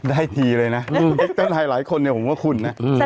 ได้ดีเลยน่ะเจ้านายหลายคนเนี่ยผมว่าคุณน่ะอืม